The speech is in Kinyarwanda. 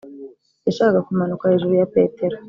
yashakaga kumanuka hejuru ya petero;